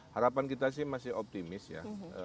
harapan kita sih masih optimis ya